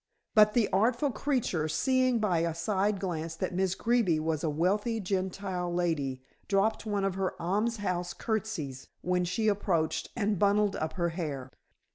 But the artful creature, seeing by a side glance that Miss Greeby was a wealthy Gentile lady, dropped one of her almshouse curtseys when she approached, and bundled up her hair.